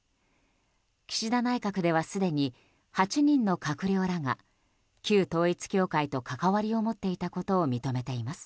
岸田内閣ではすでに８人の閣僚らが旧統一教会と関わりを持っていたことを認めています。